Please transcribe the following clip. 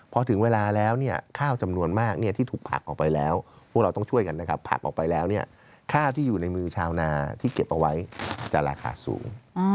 พอถึงเวลาแล้วข้าวจำนวนมากที่ถูกผักออกไปแล้วพวกเราต้องช่วยกันนะครับผักออกไปแล้วข้าวที่อยู่ในมือชาวนาที่เก็บเอาไว้จะราคาสูง